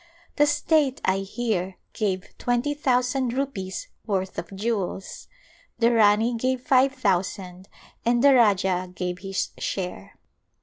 The state, I hear, gave twenty thousand rupees* worth of jewels, the Rani gave five thousand and the Rajah gave his share.